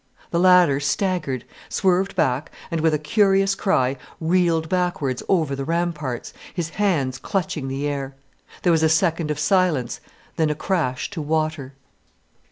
The latter staggered, swerved back, and with a curious cry, reeled backwards over the ramparts, his hands clutching the air. There was a second of silence, then a crash to water.